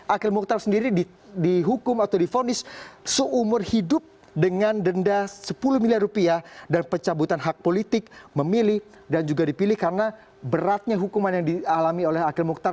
akhil mukhtar sendiri dihukum atau difonis seumur hidup dengan denda sepuluh miliar rupiah dan pencabutan hak politik memilih dan juga dipilih karena beratnya hukuman yang dialami oleh akhil mukhtar